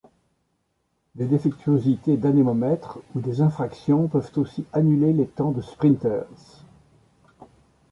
Des défectuosités d'anémomètre ou des infractions peuvent aussi annuler les temps de sprinters.